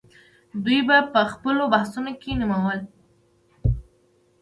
دوی به په خپلو بحثونو کې نومول.